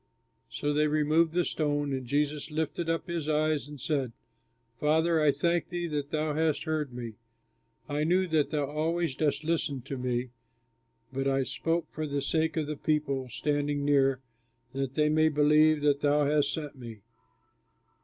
So they removed the stone, and Jesus lifted up his eyes and said, "Father, I thank thee that thou hast heard me. I knew that thou always dost listen to me, but I spoke for the sake of the people standing near, that they may believe that thou hast sent me."